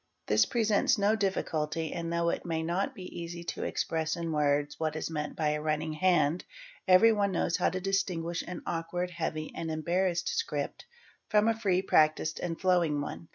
This presents no difficulty and though it may not be easy to | express in words what is meant by a "running" hand everyone knows ~ how to distinguish an awkward, heavy, and embarassed script from a free; practised, and flowing one.